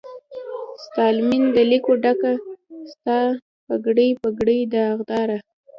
ستالمن د لکو ډکه، ستا پګړۍ، پګړۍ داغداره